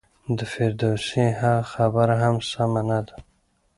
د فردوسي هغه خبره هم سمه نه ده.